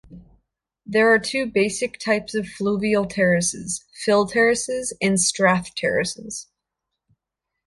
There are two basic types of fluvial terraces, "fill terraces" and "strath terraces.